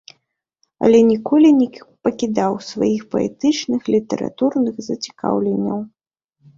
Але ніколі не пакідаў сваіх паэтычных, літаратурных зацікаўленняў.